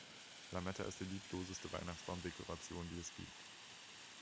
Lametta ist die liebloseste Weihnachtsbaumdekoration, die es gibt.